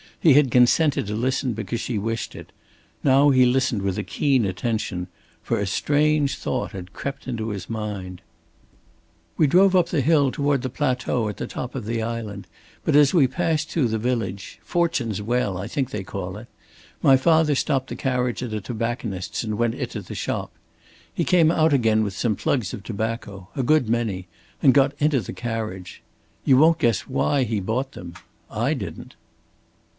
He had consented to listen, because she wished it. Now he listened with a keen attention. For a strange thought had crept into his mind. "We drove up the hill toward the plateau at the top of the island, but as we passed through the village Fortune's Well I think they call it my father stopped the carriage at a tobacconist's, and went into the shop. He came out again with some plugs of tobacco a good many and got into the carriage. You won't guess why he bought them. I didn't."